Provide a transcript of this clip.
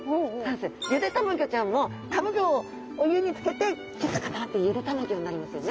ゆでたまギョちゃんもたまギョをお湯につけてキュッと固まってゆでたまギョになりますよね。